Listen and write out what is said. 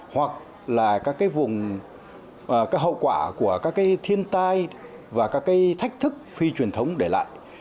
hoặc là các vùng hậu quả của các thiên tai và các thách thức phi truyền thống để lại